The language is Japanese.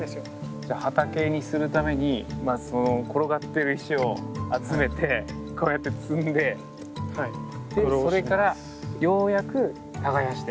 じゃあ畑にするためにまずその転がってる石を集めてこうやって積んででそれからようやく耕して。